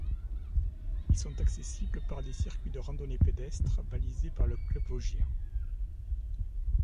Ils sont accessibles par des circuits de randonnées pédestres balisés par le Club Vosgien.